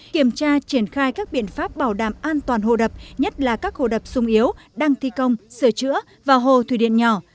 kiểm tra triển khai các biện pháp bảo đảm an toàn hồ đập nhất là các hồ đập sung yếu đang thi công sửa chữa vào hồ thủy điện nhỏ